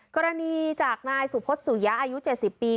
กรณีจากนายสุพศสุยะอายุ๗๐ปี